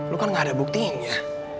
lu kan gak ada buktinya